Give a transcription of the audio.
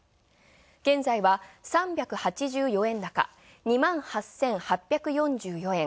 現在は３８４円高、２万８８４４円。